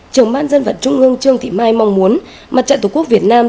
trưởng ban dân vận trung ương trương thị mai mong muốn mặt trận tổ quốc việt nam